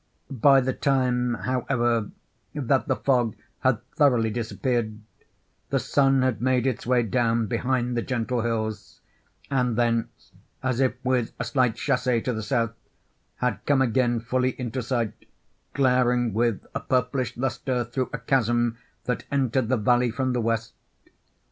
By the time, however, that the fog had thoroughly disappeared, the sun had made its way down behind the gentle hills, and thence, as if with a slight chassez to the south, had come again fully into sight, glaring with a purplish lustre through a chasm that entered the valley from the west.